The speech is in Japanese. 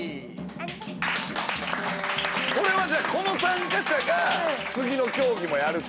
これはじゃあこの参加者が次の競技もやると。